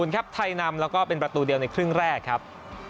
ครับไทยนำแล้วก็เป็นประตูเดียวในครึ่งแรกครับ